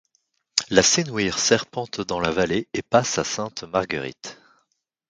La Senouire serpente dans la vallée et passe à Sainte-Marguerite.